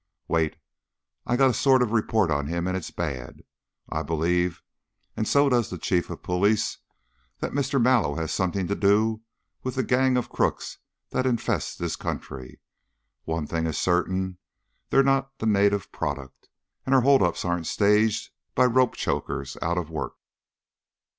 "Wait! I got a sort of report on him and it's bad. I believe, and so does the chief of police, that Mr. Mallow has something to do with the gang of crooks that infests this country. One thing is certain, they're not the native product, and our hold ups aren't staged by rope chokers out of work."